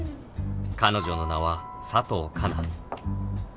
彼女の名は佐藤佳奈